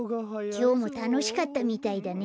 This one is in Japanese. きょうもたのしかったみたいだね。